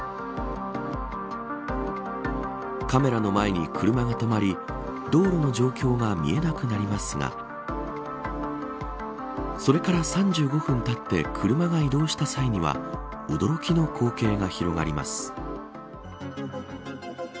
カメラの前に車が止まり道路の状況が見えなくなりますがそれから３５分たって車が移動した際には驚きの光景が広がります。